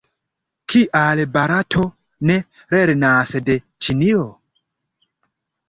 Kial Barato ne lernas de Ĉinio?